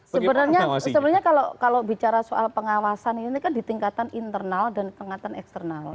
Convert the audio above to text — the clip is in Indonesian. sebenarnya kalau bicara soal pengawasan ini kan di tingkatan internal dan keingatan eksternal